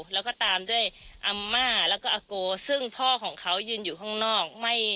แล้วก็ตามด้วยอาม่าแล้วก็อาโกซึ่งพ่อของเขายืนอยู่ข้างนอก